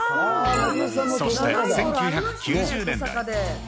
そして、１９９０年代。